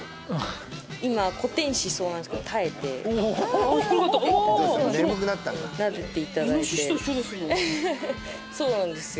今コテンしそうなんですけど耐えておもしろっなでていただいてそうなんですよ